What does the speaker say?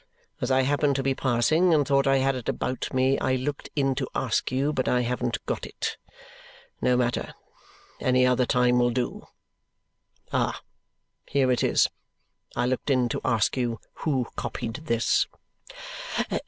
As I happened to be passing, and thought I had it about me, I looked in to ask you but I haven't got it. No matter, any other time will do. Ah! here it is! I looked in to ask you who copied this."